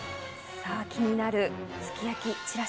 さぁ、気になるすき焼きちらし。